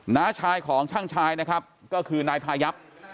น้าชายของช่างชายนะครับก็คือนายพายับ